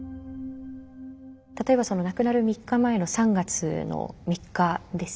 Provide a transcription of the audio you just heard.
例えば亡くなる３日前の３月の３日ですね。